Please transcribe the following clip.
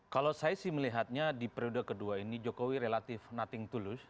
kalau saya sih melihatnya di periode kedua ini jokowi relatif nothing to lose